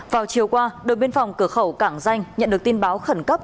vào chiều qua đội biên phòng cửa khẩu cảng danh nhận được tin báo khẩn cấp